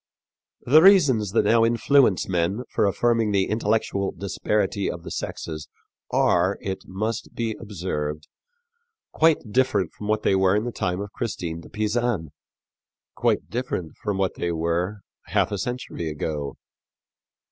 The reasons that now influence men for affirming the intellectual disparity of the sexes are, it must be observed, quite different from what they were in the time of Christine de Pisan quite different from what they were half a century ago.